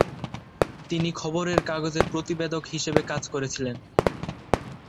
তিনি খবরের কাগজের প্রতিবেদক হিসাবে কাজ করেছিলেন।